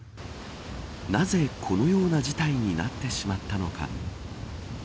なぜこのような事態になってしまったのか。